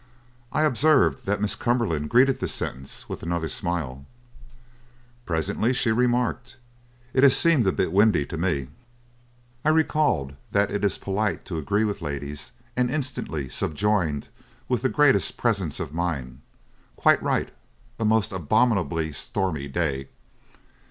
"I observed that Miss Cumberland greeted this sentence with another smile. "Presently she remarked: 'It has seemed a bit windy to me.' "I recalled that it is polite to agree with ladies and instantly subjoined with the greatest presence of mind: 'Quite right! A most abominably stormy day!'